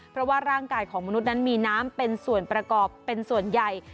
เพราะว่าร่างกายของมนุษย์นั้นมีน้ำเป็นส่วนประกอบเป็นส่วนใหญ่